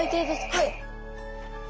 はい。